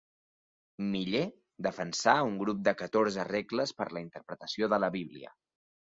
Miller defensà un grup de catorze regles per a la interpretació de la Bíblia.